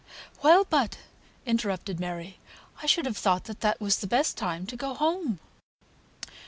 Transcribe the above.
"Well, but," interrupted Mary, "I should have thought that was the best time to go home."